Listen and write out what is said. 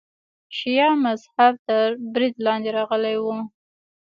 شیعه مذهب تر برید لاندې راغلی و.